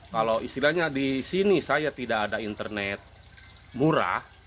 kalau istilahnya di sini saya tidak ada internet murah